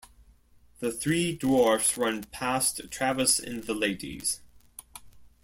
The three dwarfs run past Travis and the ladies.